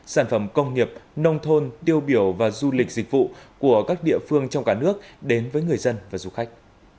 sản phẩm công nghiệp nông thôn tiêu biểu và du lịch dịch vụ của các địa phương trong cả nước đến với người dân và du khách